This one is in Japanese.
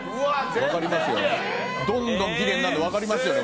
どんどんきれいになるのわかりますよね